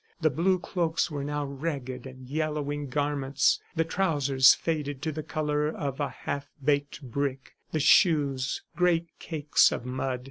The blue cloaks were now ragged and yellowing garments, the trousers faded to the color of a half baked brick, the shoes great cakes of mud.